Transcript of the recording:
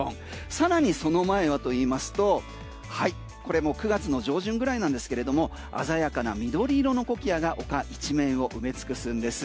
さらにその前はといいますとこれも９月の上旬ぐらいなんですけれども鮮やかな緑色のコキアが丘一面を埋め尽くすんです。